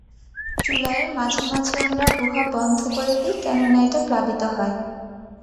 জুলাইয়ের মাঝামাঝি আমরা গুহা বন্ধ করে দিই কেননা এটা প্লাবিত হয়।